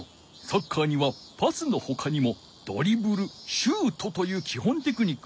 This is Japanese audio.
サッカーにはパスのほかにもドリブルシュートというきほんテクニックがあるぞい。